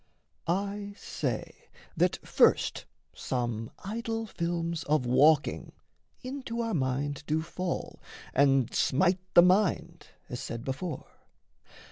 I say that first some idol films of walking Into our mind do fall and smite the mind, As said before.